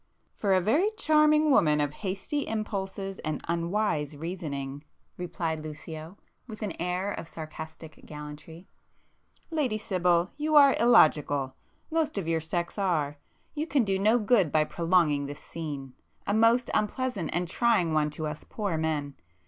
"For a very charming woman of hasty impulses and unwise reasoning,"—replied Lucio, with an air of sarcastic gallantry—"Lady Sibyl, you are illogical,—most of your sex are. You can do no good by prolonging this scene,—a most unpleasant and trying one to us poor men.